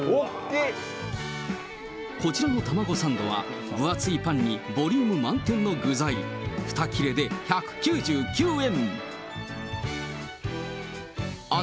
こちらの玉子サンドは、分厚いパンにボリューム満点の具材、２切れで１９９円。